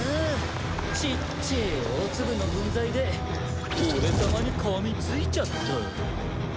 ちっちぇえおツブの分際で俺様に噛みついちゃった。